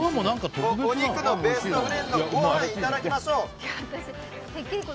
お肉のベストフレンドご飯、いただきましょう。